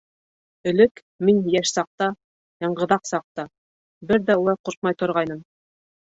Элек, мин йәш саҡта, яңғыҙаҡ саҡта, бер ҙә улай ҡурҡмай торғайным.